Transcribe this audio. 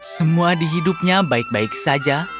semua dihidupnya baik baik saja